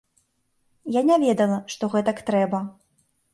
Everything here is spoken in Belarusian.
Я не ведала, што гэтак трэба.